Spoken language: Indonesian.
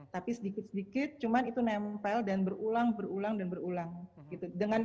tapi sedikit sedikit cuman itu nempel dan berulang berulang dan berulang gitu